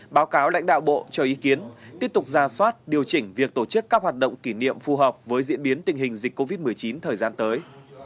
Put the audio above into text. báo cáo lãnh đạo bộ cho ý kiến tiếp tục ra soát điều chỉnh việc tổ chức các hoạt động kỷ niệm phù hợp với diễn biến tình hình dịch covid một mươi chín thời gian tới